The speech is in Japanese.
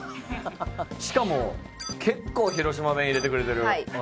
しかも結構広島弁入れてくれてる。